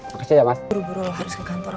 berburu buru lo harus ke kantor